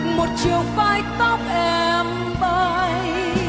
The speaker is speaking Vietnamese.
một chiều vai tóc em bay